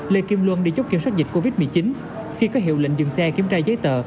lê kim luân đi chốt kiểm soát dịch covid một mươi chín khi có hiệu lệnh dừng xe kiểm tra giấy tờ